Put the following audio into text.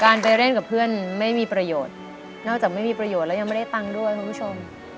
การไปเล่นกับเพื่อนไม่มีประโยชน์นอกจากไม่มีประโยชน์แล้วยังไม่ได้ตังค์ด้วยคุณผู้ชม